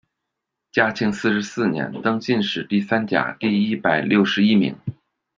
嘉靖四十四年，登进士第三甲第一百六十一名。